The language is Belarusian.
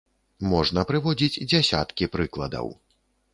Можна прыводзіць дзясяткі прыкладаў.